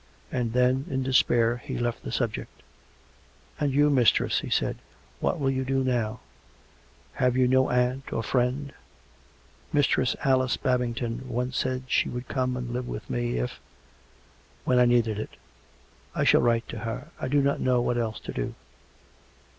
And then, in despair, he left the subject. " And you, mistress," he said, " what will you do now ? Have you no aunt or friend "" Mistress Alice Babington once said she would come and live with me — if ... when I needed it. I shall write to her. I do not know what else to do."